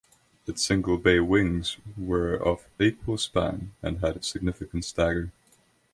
Its single bay wings were of equal-span and had significant stagger.